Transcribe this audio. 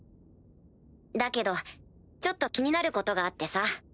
だけどちょっと気になることがあってさ。